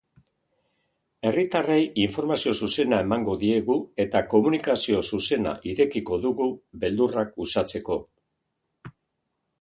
Herritarrei informazio zuzena emango diegu eta komunikazio zuzena irekiko dugu, beldurrak uxatzeko.